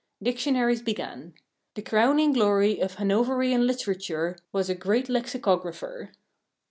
Dictionaries began. The crowning glory of Hanoverian literature was a Great Lexicographer.